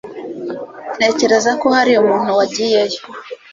Ntekereza ko hari umuntu wagiyeyo